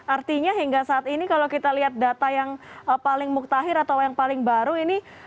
artinya hingga saat ini kalau kita lihat data yang paling muktahir atau yang paling baru ini